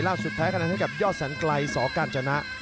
ล่าสุดแพ้คะแนนให้กับยอดแสนไกลสอการจนะ